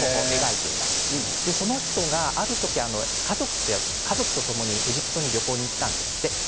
その人がある時、家族とエジプトに旅行に行ったんですって。